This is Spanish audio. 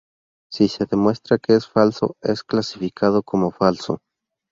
Si se demuestra que es falso, es clasificado como "falso".